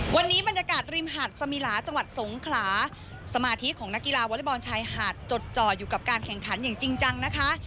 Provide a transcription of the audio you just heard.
วันนี้บรรยากาศริมหาดสมิลาจังหวัดสงขลาสมาธิของนักกีฬาวอเล็กบอลชายหาดจดจ่ออยู่กับการแข่งขันอย่างจริงจังนะคะ